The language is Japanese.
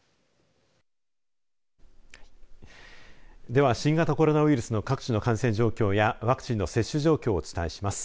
では、新型コロナウイルスの各地の感染状況やワクチンの接種状況をお伝えします。